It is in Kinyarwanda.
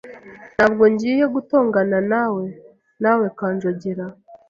Ntabwo ngiye gutonganawe nawe Kanjongera .